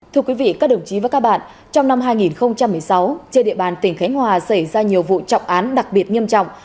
thưa quý vị các đồng chí và các bạn trong năm hai nghìn một mươi sáu trên địa bàn tỉnh khánh hòa xảy ra nhiều vụ trọng án đặc biệt nghiêm trọng